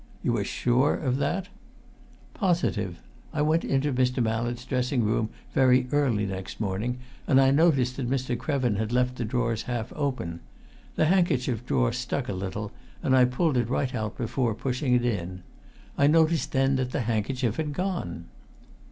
"You are sure of that?" "Positive. I went into Mr. Mallett's dressing room very early next morning, and I noticed that Mr. Krevin had left the drawers half open. The handkerchief drawer stuck a little, and I pulled it right out before pushing it in. I noticed then that the handkerchief had gone."